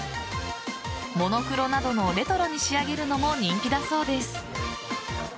モノクロなどのレトロに仕上げるのも人気だそうです。